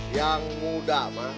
yang muda mah